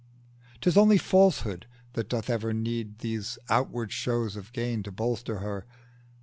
'Tis only Falsehood that doth ever need These outward shows of gain to bolster her.